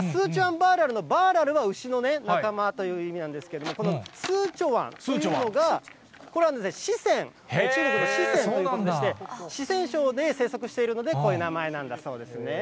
バーラルのバーラルは牛の仲間という意味なんですけれども、このスーチョワンというのが、これは四川、中国の四川ということでして、四川省で生息しているので、こういう名前なんだそうですね。